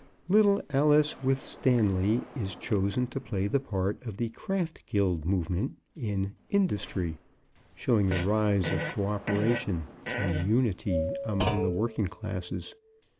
Little Alice Withstanley is chosen to play the part of the Craft Guild Movement in Industry, showing the rise of coöperation and unity among the working classes.